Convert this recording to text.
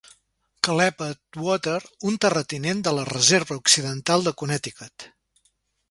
Caleb Atwater, un terratinent de la reserva occidental de Connecticut.